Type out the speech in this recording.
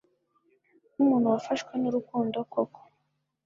nkumuntu wafashwe nurukundo koko